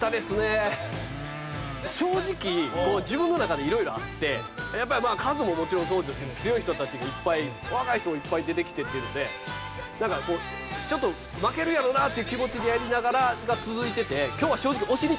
正直自分の中で色々あってやっぱりまあカズももちろんそうですけど強い人たちがいっぱい若い人もいっぱい出てきてっていうのでなんかこうちょっと負けるやろうなっていう気持ちでやりながらが続いてて。